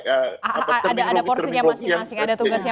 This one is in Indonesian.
ada porsinya masing masing ada tugasnya